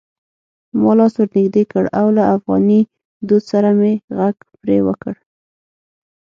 ما لاس ور نږدې کړ او له افغاني دود سره مې غږ پرې وکړ: